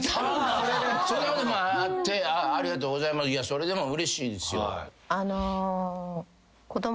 それでもうれしいですよ。